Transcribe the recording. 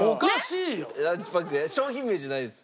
商品名じゃないです。